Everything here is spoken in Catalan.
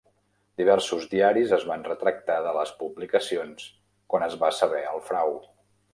Diversos diaris es van retractar de les publicacions quan es va saber el frau.